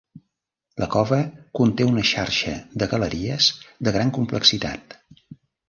La cova conté una xarxa de galeries de gran complexitat.